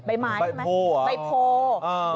ใบไม้ใช่ไหมใบโพลใบโพล